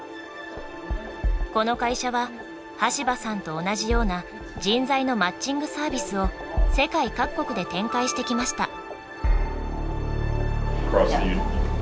この会社は端羽さんと同じような人材のマッチングサービスを世界各国で展開してきました。